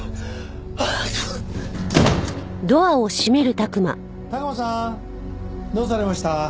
宅間さんどうされました？